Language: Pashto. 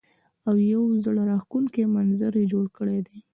او يو زړۀ راښکونکے منظر يې جوړ کړے دے ـ